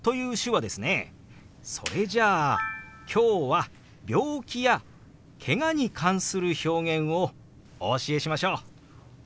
それじゃあ今日は病気やけがに関する表現をお教えしましょう！